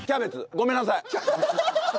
ごめんなさい。